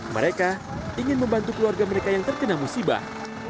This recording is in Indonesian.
mereka ingin membantu keluarga mereka yang terkena musibah